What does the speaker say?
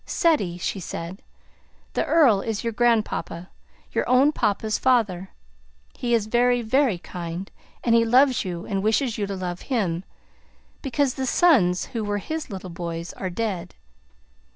"Ceddie," she said, "the Earl is your grandpapa, your own papa's father. He is very, very kind, and he loves you and wishes you to love him, because the sons who were his little boys are dead.